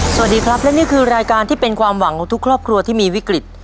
สวัสดีครับและนี่คือรายการที่เป็นความหวังของทุกครอบครัวที่มีวิกฤต